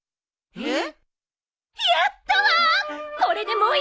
えっ？